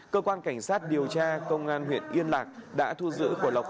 cơ quan cảnh sát điều tra công an huyện yên lạc đã thu giữ của lộc